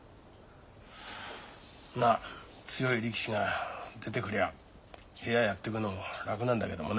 ま強い力士が出てくりゃ部屋やっていくのも楽なんだけどもな。